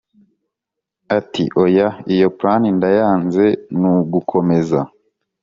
ati"oya iyo plan ndayanze nugukomeza